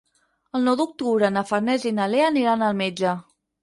El nou d'octubre na Farners i na Lea aniran al metge.